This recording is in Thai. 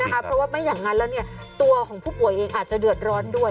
เพราะว่าไม่อย่างนั้นแล้วตัวของผู้ป่วยเองอาจจะเดือดร้อนด้วย